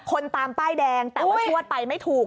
ตามป้ายแดงแต่ว่าชวดไปไม่ถูก